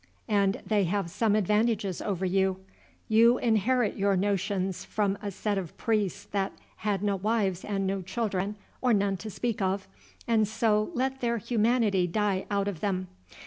And they have some advantages over you. You inherit your notions from a set of priests that had no wives and no children, or none to speak of, and so let their humanity die out of them.